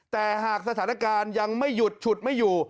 แต่หากสถานการณ์ยังไม่หยุดฉุดไม่อยู่